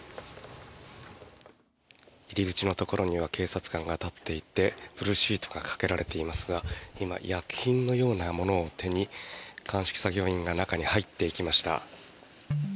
入り口のところには警察官が立っていてブルーシートがかけられていますが今、薬品のようなものを手に鑑識作業員が中に入っていきました。